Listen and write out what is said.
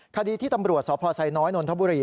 คดีที่ตำรวจสพไซน้อยนนทบุรี